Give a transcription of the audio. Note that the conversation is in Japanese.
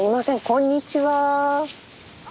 こんにちは。